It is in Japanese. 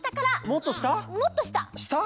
もっとした？